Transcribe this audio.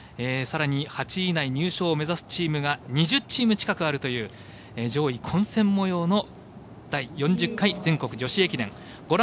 さらに８位以内入賞を目指すチームが２０チーム近くあるという上位混戦もようの第４０回全国女子駅伝。